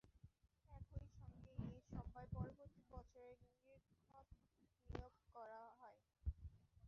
একই সঙ্গে এ সভায় পরবর্তী বছরের জন্য নিরীক্ষক নিয়োগ করা হয়।